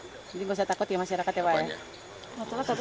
jadi tidak usah takut ya masyarakat ya pak